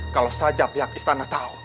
kalau saja pihak istana tahu